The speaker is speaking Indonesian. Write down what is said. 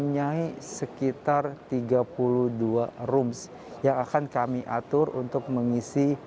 mempunyai sekitar tiga puluh dua rooms yang akan kami atur untuk mengisi